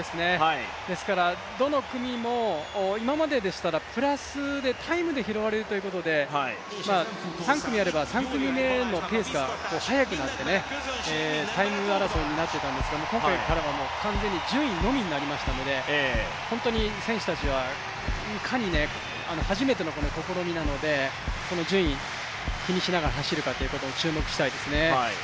ですからどの組も今まででしたらプラスでタイムで拾われるということで、３組あれば３組目のペースが速くなって、タイム争いになってたんですが今回からは完全に順位のみになりましたので本当に選手たちはいかに、初めての試みなので順位気にしながら走るかというところに注目したいですね。